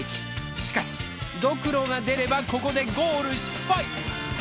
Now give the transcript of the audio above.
しかしドクロが出ればここでゴール失敗。